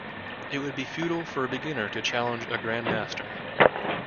It would be futile for a beginner to challenge a grandmaster.